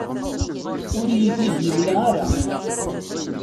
Ur iyi-t-id-yemla ara.